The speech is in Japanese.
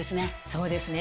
そうですね。